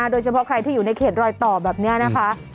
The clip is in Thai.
โดยเฉพาะใครที่อยู่ในเขตรอยต่อแบบนี้นะคะ